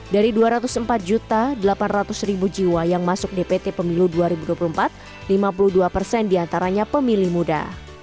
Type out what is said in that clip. dari dua ratus empat delapan ratus jiwa yang masuk dpt pemilu dua ribu dua puluh empat lima puluh dua persen diantaranya pemilih muda